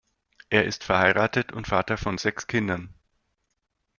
Er ist verheiratet und Vater von sechs Kindern.